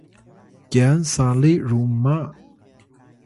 kyan sali ruma